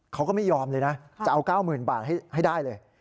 เขาก็ไม่ยอมเลยนะจะเอา๙๐๐๐บาทให้ได้เลย